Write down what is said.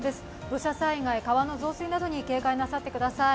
土砂災害、川の増水などに警戒なさってください。